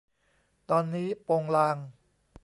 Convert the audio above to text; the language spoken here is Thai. ตอนนี้โปงลาง